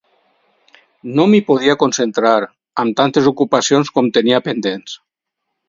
No m'hi podia concentrar, amb tantes ocupacions com tenia pendents.